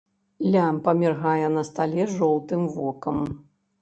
Лямпа міргае на стале жоўтым вокам.